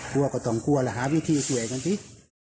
กลัวก็ต้องกลัวแล้วหาวิธีสวยกันสิ